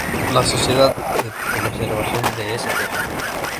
La "Sociedad de Preservación de St.